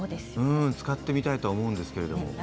使ってみたいとは思うんですけれど。